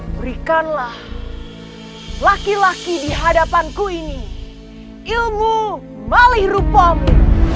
berikanlah laki laki di hadapanku ini ilmu mali rupamu